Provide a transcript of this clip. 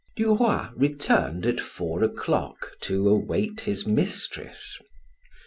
Du Roy returned at four o'clock to await his mistress.